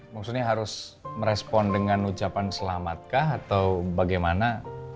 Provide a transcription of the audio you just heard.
maksudnya harus merespon dengan ucapan selamat kah atau bagaimana